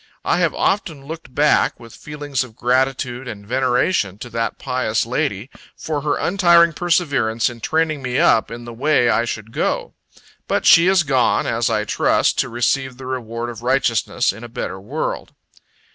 I have often looked back, with feelings of gratitude and veneration, to that pious lady, for her untiring perseverance in training me up in the way I should go. But she is gone, as I trust, to receive the reward of righteousness, in a better world.